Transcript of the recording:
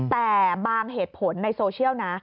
แต่บางเหตุผลในโซเชียลนะ